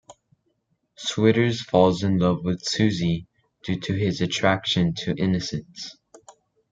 Switters falls in love with Suzy, due to his attraction to innocence.